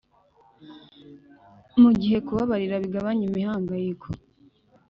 mu gihe kubabarira bigabanya imihangayiko